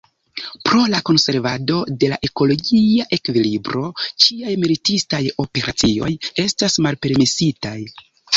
Pro la konservado de la ekologia ekvilibro, ĉiaj militistaj operacioj estas malpermesitaj.